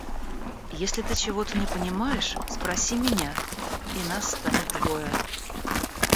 Если ты чего-то не понимаешь, спроси меня и нас станет двое.